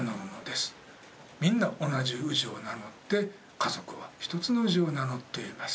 みんな同じ氏を名乗って家族は一つの氏を名乗っています。